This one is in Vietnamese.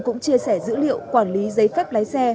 cũng chia sẻ dữ liệu quản lý giấy phép lái xe